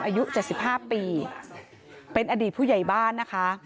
อายุเจ็ดสิบห้าปีเป็นอดีตผู้ใหญ่บ้านนะคะ